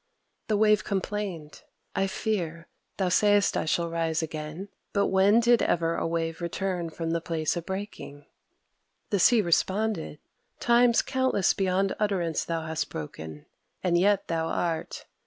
The Wave complained: "I fear. Thou sayest that I shall rise again. But when did ever a wave return from the place of breaking?" The Sea responded: "Times countless beyond utterance thou hast broken; and yet thou art!